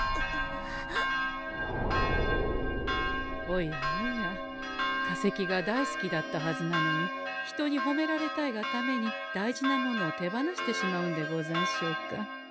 おやおや化石が大好きだったはずなのに人にほめられたいがために大事なものを手放してしまうんでござんしょうか。